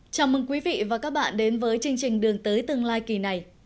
chào mừng quý vị và các bạn đến với chương trình đường tới tương lai kỳ này